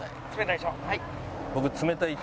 はい。